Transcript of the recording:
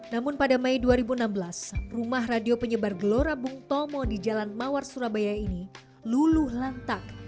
namun pada mei dua ribu enam belas rumah radio penyebar gelora bung tomo di jalan mawar surabaya ini luluh lantak